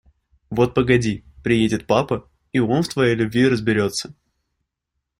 Вот погоди, приедет папа, и он в твоей любви разберется.